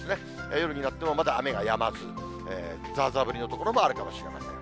夜になっても、まだ雨がやまず、ざーざー降りの所もあるかもしれない。